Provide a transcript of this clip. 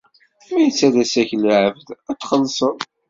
Ma yettalas-ak lɛebd ad txellseḍ.